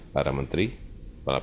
para menteri para pnpb